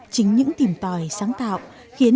chính những tìm tòi sáng tạo của người việt